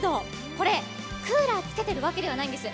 これ、クーラーつけてるわけではないんです。